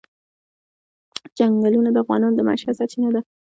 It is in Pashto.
چنګلونه د افغانانو د معیشت سرچینه ده.